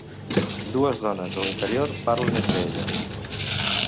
Dues dones a l'interior parlen entre elles.